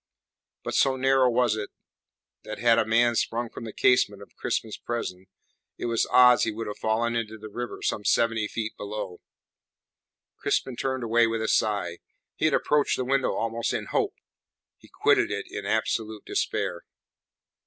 But so narrow was it, that had a man sprung from the casement of Crispin's prison, it was odds he would have fallen into the river some seventy feet below. Crispin turned away with a sigh. He had approached the window almost in hope; he quitted it in absolute despair.